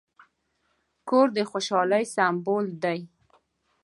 کور د خوشحالۍ سمبول دی.